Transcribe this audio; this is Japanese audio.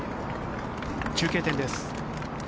中継点です。